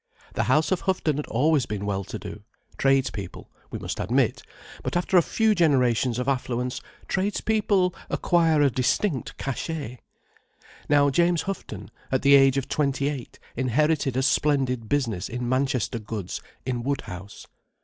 The house of Houghton had always been well to do: tradespeople, we must admit; but after a few generations of affluence, tradespeople acquire a distinct cachet. Now James Houghton, at the age of twenty eight, inherited a splendid business in Manchester goods, in Woodhouse.